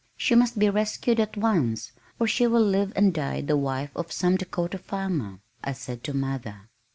"She must be rescued at once or she will live and die the wife of some Dakota farmer," I said to mother.